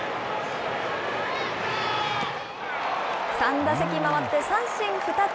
３打席回って三振２つ。